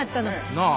なあ？